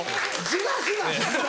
ずらすな！